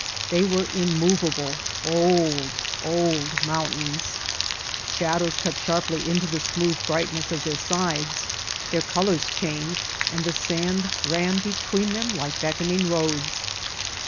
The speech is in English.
They were immovable, old, old mountains. Shadows cut sharply into the smooth brightness of their sides. Their colors changed and the sand ran between them like beckoning roads.